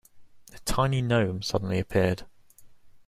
A tiny gnome suddenly appeared.